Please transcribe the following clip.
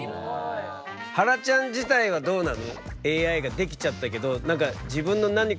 はらちゃん自体はどうなの？